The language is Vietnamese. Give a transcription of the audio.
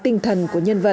tinh thần của nhân vật